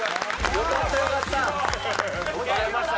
よかったよかった！